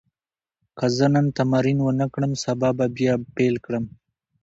که زه نن تمرین ونه کړم، سبا به بیا پیل کړم.